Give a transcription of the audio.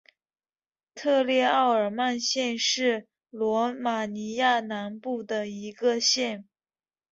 特列奥尔曼县是罗马尼亚南部的一个县。